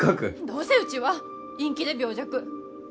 どうせうちは陰気で病弱。